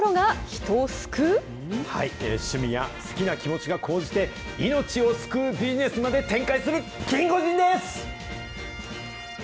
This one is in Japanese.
趣味や好きな気持ちが高じて、命を救うビジネスまで展開するキンゴジンです。